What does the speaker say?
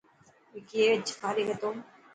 وڪي اڄ فارغ هتو.